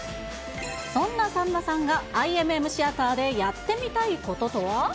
そんなさんまさんが、ＩＭＭシアターでやってみたいこととは。